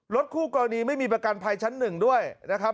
คู่กรณีไม่มีประกันภัยชั้นหนึ่งด้วยนะครับ